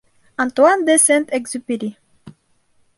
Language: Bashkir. Антуан де Сент-Экзюпери.